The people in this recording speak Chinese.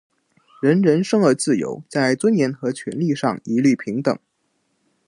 人人生而自由，在尊严和权利上一律平等。